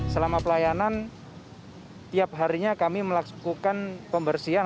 selama pelayanan tiap harinya kami melakukan pembersihan